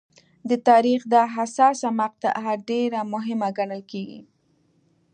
د تاریخ دا حساسه مقطعه ډېره مهمه ګڼل کېږي.